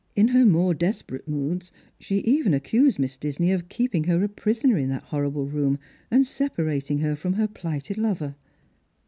In her more despe rate moods she even accused Miss Disney of keeping her a prisoner in that horrible room, and separating her from her phghted lover.